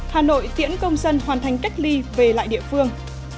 hà nội tiễn công dân hoàn thành cách ly về lại địa phương